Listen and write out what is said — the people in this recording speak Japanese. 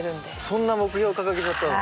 そんな目標掲げちゃったの？